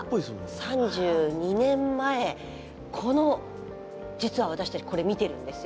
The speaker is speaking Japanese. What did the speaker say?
今から３２年前この実は私たちこれ見てるんですよ。